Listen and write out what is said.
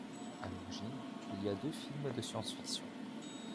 À l'origine, il y a deux films de science-fiction.